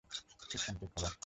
Section, take cover!